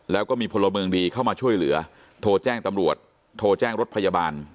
แล้วก็มีพลเมืองดีเข้ามาช่วยเหลือโทรแจ้งตำรวจโทรแจ้งรถพยาบาล